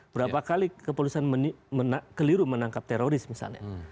berapa kali kepolisian keliru menangkap teroris misalnya